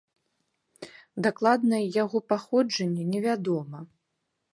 Дакладнае яго паходжанне не вядома.